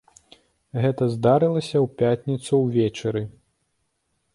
Гэта здарылася ў пятніцу ўвечары.